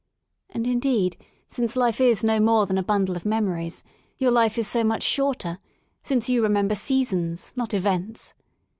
And, indeed, since life is no more 121 I THE SOUL OF LONDON ; than a bundle of memories, your life is so much shorter, ' since you remember seasons, not events.